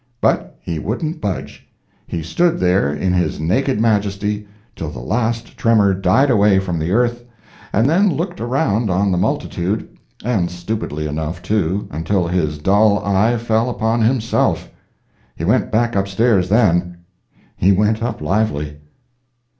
But he wouldn't budge—he stood there in his naked majesty till the last tremor died away from the earth, and then looked around on the multitude—and stupidly enough, too, until his dull eye fell upon himself. He went back upstairs, then. He went up lively.